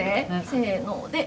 せので。